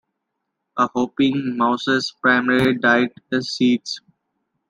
A hopping mouse's primary diet is seeds.